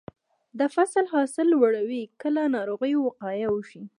د فصل حاصل لوړوي که له ناروغیو وقایه وشي.